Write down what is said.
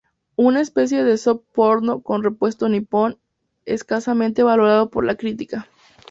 Una especie de soft-porno con regusto nipón, escasamente valorado por la crítica.